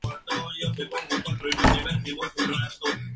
Además, ganó la maratón de Boston en otras dos ocasiones.